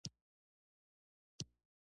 د دې وطن هر يو افسر